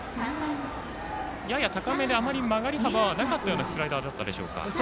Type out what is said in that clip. やや高めであまり曲がり幅はないようなスライダーだったでしょうか。